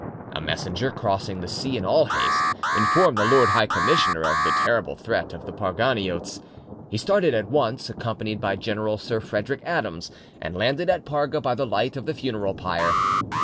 A messenger, crossing the sea in all haste, informed the Lord High Commissioner of the terrible threat of the Parganiotes. He started at once, accompanied by General Sir Frederic Adams, and landed at Parga by the light of the funeral pyre.